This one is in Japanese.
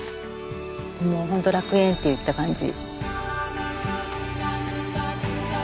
もう本当楽園っていった感じ。